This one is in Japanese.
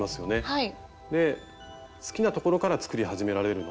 はい。